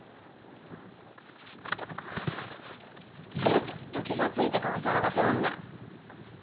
やっと気が付いたかお騒がせ女。